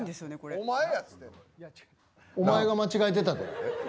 お前が間違えてたで。